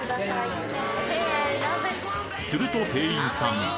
すると店員さん